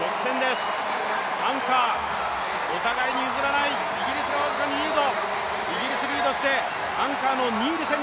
アンカー、お互いに譲らないイギリスが僅かにリード。